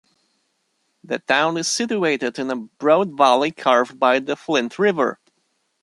The town is situated in a broad valley carved by the Flint River.